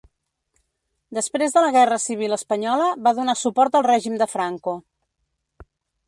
Després de la Guerra Civil espanyola va donar suport al règim de Franco.